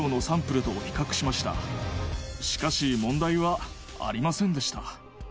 しかし問題はありませんでした